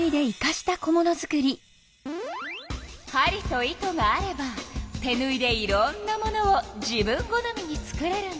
針と糸があれば手ぬいでいろんなものを自分好みに作れるの。